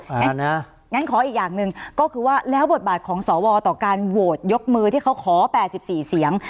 งั้นขออีกอย่างหนึ่งก็คือว่าแล้วบทบาทของสวต่อการโหวตยกมือที่เขาขอ๘๔เสียง